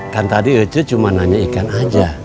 kan tadi ya ceh cuma nanya ikan aja